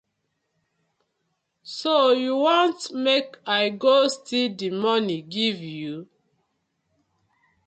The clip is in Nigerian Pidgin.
So you want mek I go still di money giv you?